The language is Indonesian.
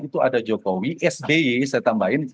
itu ada jokowi sby saya tambahin